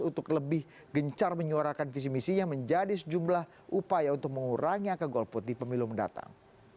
untuk lebih gencar menyuarakan visi misinya menjadi sejumlah upaya untuk mengurangnya ke golput di pemilu mendatang